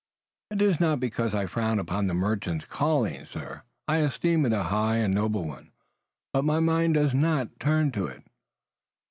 "It is not because I frown upon the merchant's calling, sir. I esteem it a high and noble one. But my mind does not turn to it."